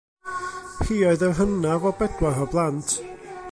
Hi oedd yr hynaf o bedwar o blant.